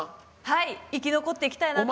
はい生き残っていきたいなと。